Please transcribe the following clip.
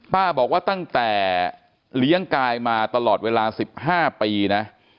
ป้าบอกว่าตั้งแต่เลี้ยงกายมาตลอดเวลา๑๕ปีนะ